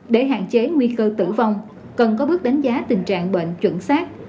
để hạn chế nguy cơ tử vong cần có bước đánh giá tình trạng bệnh chuẩn xác